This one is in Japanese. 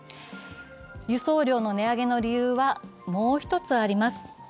輸送量の値上げの理由はもう１つあります。